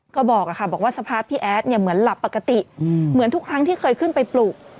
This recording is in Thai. ก็บอกค่ะบอกว่าสภาพพี่แอดเนี่ยเหมือนหลับปกติเหมือนทุกครั้งที่เคยขึ้นไปปลูก